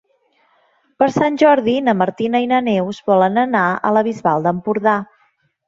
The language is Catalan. Per Sant Jordi na Martina i na Neus volen anar a la Bisbal d'Empordà.